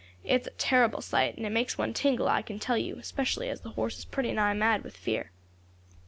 It's a terrible sight, and it makes one tingle, I can tell you, especially as the horse is pretty nigh mad with fear."